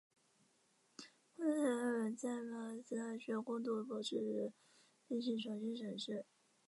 古德柴尔德在麦克马斯特大学攻读博士时对护城洞进行了重新审视。